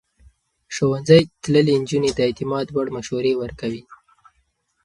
ښوونځی تللې نجونې د اعتماد وړ مشورې ورکوي.